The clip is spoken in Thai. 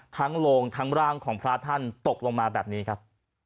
โลงทั้งร่างของพระท่านตกลงมาแบบนี้ครับ